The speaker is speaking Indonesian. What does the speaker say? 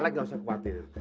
alex nggak usah khawatir